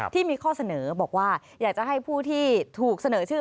ที่มีข้อเสนอบอกว่าอยากจะให้ผู้ที่ถูกเสนอชื่อ